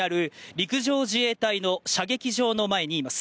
陸上自衛隊の射撃場の前にいます。